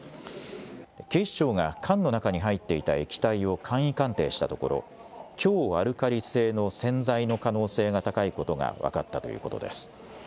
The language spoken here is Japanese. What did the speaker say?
警視庁が缶の中に入っていた液体を簡易鑑定したところ、強アルカリ性の洗剤の可能性が高いことが分かったということです。